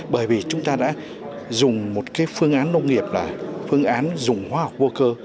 bởi vì chúng ta đã dùng một phương án nông nghiệp là phương án dùng hóa học vô cơ